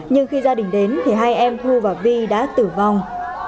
nhưng khi gia đình đến thì hai em thu và vi đã tử vong